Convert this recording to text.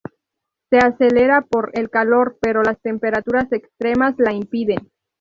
Se acelera por el calor, pero las temperaturas extremas la impiden.